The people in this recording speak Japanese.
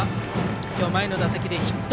今日、前の打席でヒット。